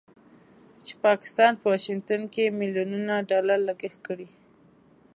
چې پاکستان په واشنګټن کې مليونونو ډالر لګښت کړی